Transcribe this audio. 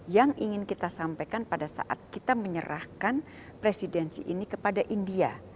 yang ingin kita sampaikan pada saat kita menyerahkan presidensi ini kepada india